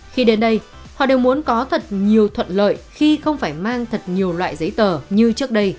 khi đến đây họ đều muốn có thật nhiều thuận lợi khi không phải mang thật nhiều loại giấy tờ như trước đây